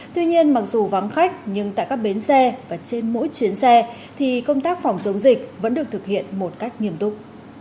tuy nhiên mặc dù vắng khách nhưng tại các bến xe và trên mỗi chuyến xe thì công tác phòng chống dịch vẫn được thực hiện một cách nghiêm túc